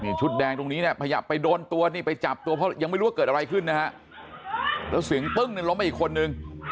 ชุดแดงตรงนี้เนี่ยขยับไปโดนตัวนี่ไปจับตัวเพราะยังไม่รู้ว่าเกิดอะไรขึ้นนะฮะแล้วเสียงปึ้งเนี่ยล้มไปอีกคนนึง